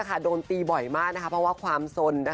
เคยได้ยินข่าวน่ะ